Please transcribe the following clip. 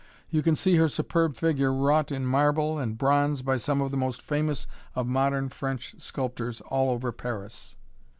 You can see her superb figure wrought in marble and bronze by some of the most famous of modern French sculptors all over Paris.